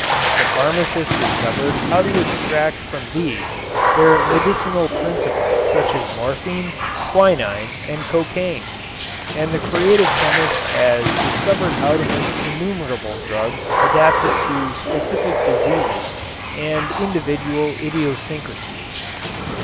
The pharmacist discovered how to extract from these their medicinal principle such as morphine, quinine and cocaine, and the creative chemist has discovered how to make innumerable drugs adapted to specific diseases and individual idiosyncrasies.